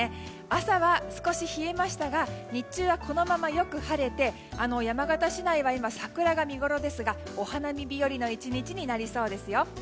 朝は少し冷えましたが日中はこのままよく晴れて山形市内は今、桜が見ごろですがお花見日和の１日になりそうですよ。